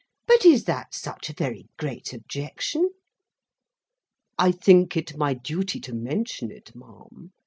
"But is that such a very great objection?" "I think it my duty to mention it, ma'am.